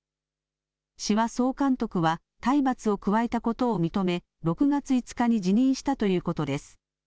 志波総監督は、体罰を加えたことを認め、６月５日に辞任したということです。